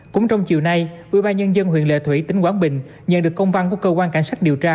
cũng trong chiều nay ubnd huyện lệ thủy tỉnh quảng bình nhận được công văn của cơ quan cảnh sát điều tra